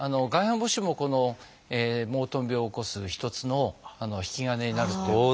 外反母趾もこのモートン病を起こす一つの引き金になると。